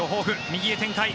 右へ展開。